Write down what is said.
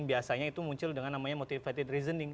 biasanya itu muncul dengan namanya motivated reasoning